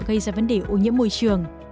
gây ra vấn đề ô nhiễm môi trường